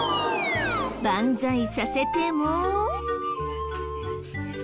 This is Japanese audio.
万歳させても。